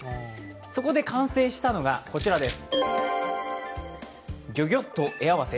そこで完成したのが、こちらです。